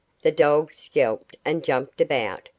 The dogs yelped and jumped about.